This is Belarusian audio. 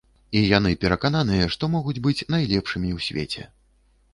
І яны перакананыя, што могуць быць найлепшымі ў свеце.